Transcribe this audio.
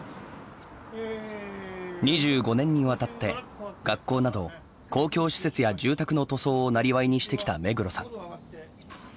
２５年にわたって学校など公共施設や住宅の塗装をなりわいにしてきた目黒さん。